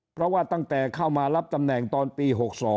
เพราะว่าตั้งแต่เข้ามารับตำแหน่งตอนปี๖๒